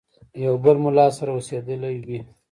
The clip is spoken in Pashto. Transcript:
یو بل مُلا سره اوسېدلی وي.